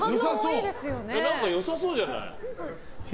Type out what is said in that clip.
何か良さそうじゃない？